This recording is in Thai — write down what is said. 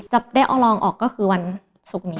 จะได้เอาลองออกก็คือวันศุกร์นี้